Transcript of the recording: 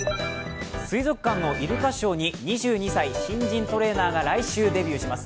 水族館のイルカショーに２２歳新人トレーナーが来週デビューします。